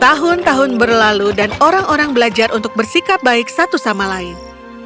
tahun tahun berlalu dan orang orang belajar untuk bersikap baik satu sama lain